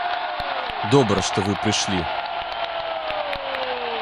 Добра, што вы прышлі.